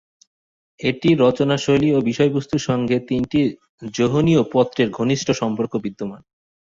এটির রচনাশৈলী ও বিষয়বস্তুর সঙ্গে তিনটি যোহনীয় পত্রের ঘনিষ্ঠ সম্পর্ক বিদ্যমান।